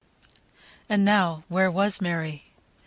And now, where was Mary?